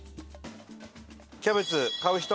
キャベツ買う人？